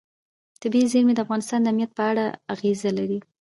طبیعي زیرمې د افغانستان د امنیت په اړه هم اغېز لري.